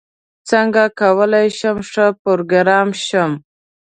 څنګه کولاي شم ښه پروګرامر شم؟